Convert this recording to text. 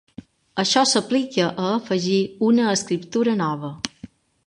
Això s'aplica a afegir una escriptura nova.